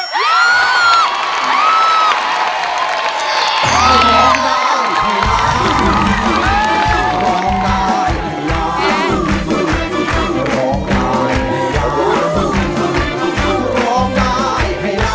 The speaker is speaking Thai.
เฮ้ย